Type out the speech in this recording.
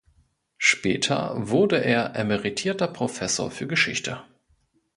Später wurde er emeritierter Professor für Geschichte.